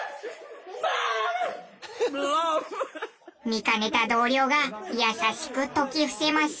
見かねた同僚が優しく説き伏せます。